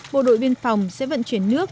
bộ đội biên phòng sẽ vận chuyển nước